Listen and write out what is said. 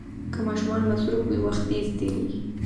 که ماشومان مصروف وي، وخت تېز تېریږي.